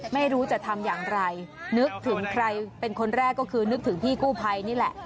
ไม่รู้จะทำอย่างไรนึกถึงใครเป็นคนแรกก็คือนึกถึงพี่กู้ภัยนี่แหละ